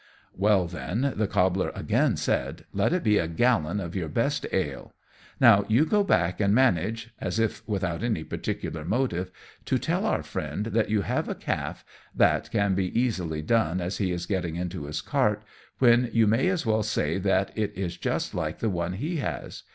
"Well, then," the Cobbler again said, "let it be a gallon of your very best ale. Now you go back, and manage as if without any particular motive to tell our friend that you have a calf (that can be easily done as he is getting into his cart), when you may as well say that it is just like the one he has.